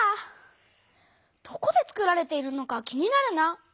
どこでつくられているのか気になるな。